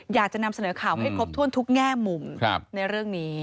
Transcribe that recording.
อยากจะนำเสนอข่าวให้ครบถ้วนทุกแง่มุมในเรื่องนี้